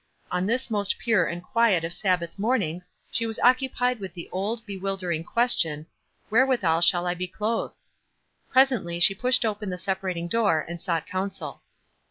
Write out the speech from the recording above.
On this most pure and quiet of Sabbath morn ings she was occupied with the old, be wilderi no question, "Wherewithal shall I be clothed?" Presently she pushed open the separating door and sought counsel.